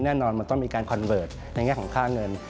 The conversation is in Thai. แน่นอนมันต้องมีการคอนเบิร์ตในแง่ของค่าเงิน